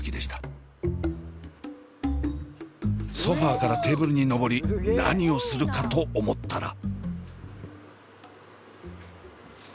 ソファーからテーブルに登り何をするかと思ったら。